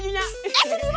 ayahnya mau pelangsa